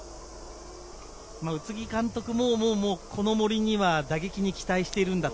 宇津木監督もこの森には打撃に期待しているんだと。